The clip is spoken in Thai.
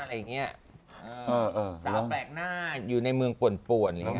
สาวแปลกหน้าอยู่ในเมืองปว่นอะไรแบบนี้